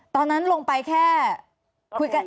ตอนนั้นลงไปแค่คุยกัน